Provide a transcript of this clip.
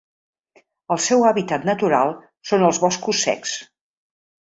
El seu hàbitat natural són els boscos secs.